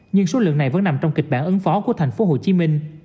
nhưng số lượng này vẫn nằm trong kịch bản ứng phó của tp hcm